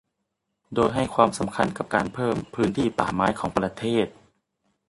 โดยให้ความสำคัญกับการเพิ่มพื้นที่ป่าไม้ของประเทศ